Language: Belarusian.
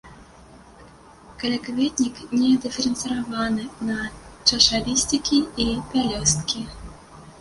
Калякветнік не дыферэнцыраваны на чашалісцікі і пялёсткі.